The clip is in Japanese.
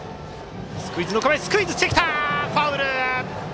スクイズしてきたがファウル。